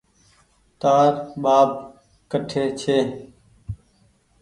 تآر ٻآپ ڪٺي ڇي